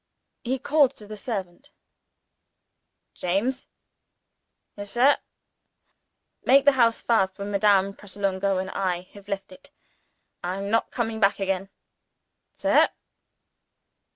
He called to the servant. "James!" "Yes, sir?" "Make the house fast when Madame Pratolungo and I have left it. I am not coming back again." "Sir!"